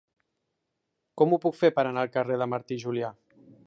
Com ho puc fer per anar al carrer de Martí i Julià?